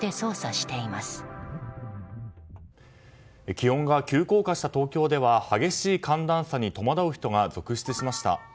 気温が急降下した東京では激しい寒暖差に戸惑う人が続出しました。